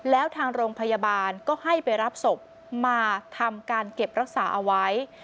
แล้วทางโรงพยาบาลก็ให้ไปรับศพมาทำการเก็บรักษาเอาไว้